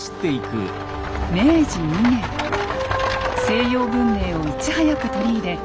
西洋文明をいち早く取り入れ